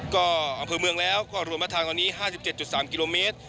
ก็อำเภอเมืองแล้วก็รวมมาทางตอนนี้๕๗๓กิโลเมตร